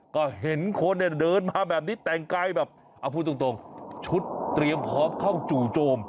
ก็เห็นคนเนี่ยเดินมาแบบนี้แต่งกายแบบเอาพูดตรงชุดเตรียมพร้อมเข้าจู่โจม